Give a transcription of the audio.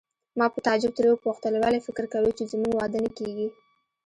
ما په تعجب ترې وپوښتل: ولې فکر کوې چې زموږ واده نه کیږي؟